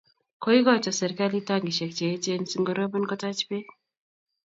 Kokoito serkali tankisiek eechen singorobon kotach bek